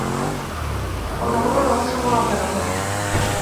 অন্য কোনো রহস্যময় অচেনা ঘর।